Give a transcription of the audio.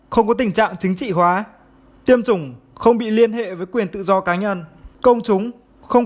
không có tình trạng chính trị hóa tiêm chủng không bị liên hệ với quyền tự do cá nhân công chúng không